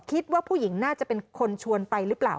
คิดว่าผู้หญิงน่าจะเป็นคนชวนไปหรือเปล่า